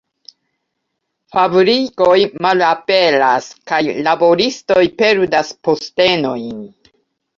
Fabrikoj malaperas kaj laboristoj perdas postenojn.